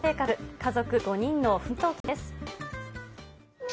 家族５人の奮闘記です。